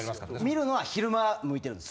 見るのは昼間向いてるんです。